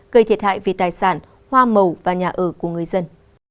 gây thiệt hại về tài sản hoa màu và nhà ở của người dân